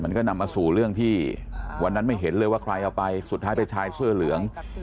นำก็นำมาสู่เรื่องที่วันนั้นไม่เห็นเลยว่าใครเอาไปสุดท้ายไปชายเสื้อเหลือง